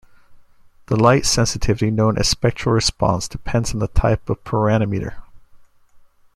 The light sensitivity, known as 'spectral response', depends on the type of pyranometer.